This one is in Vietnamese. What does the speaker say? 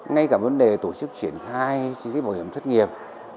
ngay cả vấn đề tổ chức triển khai chính sách bảo hiểm thất nghiệp